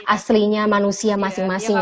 aslinya manusia masing masing